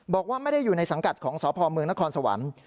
บอกว่าไม่ได้อยู่ในสังกัดของสพเมืองนครสวรรค์